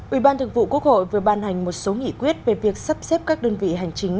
ủy ban thường vụ quốc hội vừa ban hành một số nghị quyết về việc sắp xếp các đơn vị hành chính